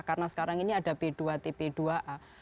karena sekarang ini ada p dua tp dua a